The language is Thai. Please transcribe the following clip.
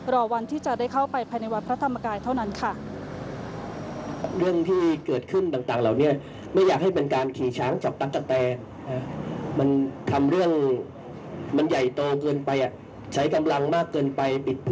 รอวันที่จะได้เข้าไปภายในวัดพระธรรมกายเท่านั้นค่ะ